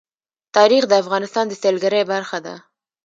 تاریخ د افغانستان د سیلګرۍ برخه ده.